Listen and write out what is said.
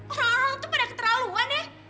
orang orang tuh pada keterlaluan ya